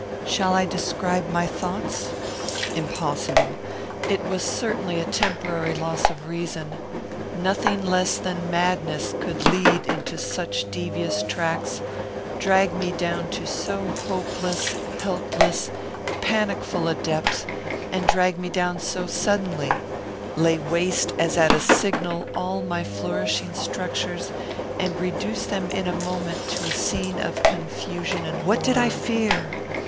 Shall I describe my thoughts? Impossible! It was certainly a temporary loss of reason; nothing less than madness could lead into such devious tracks, drag me down to so hopeless, helpless, panicful a depth, and drag me down so suddenly; lay waste, as at a signal, all my flourishing structures, and reduce them in a moment to a scene of confusion and horror. What did I fear?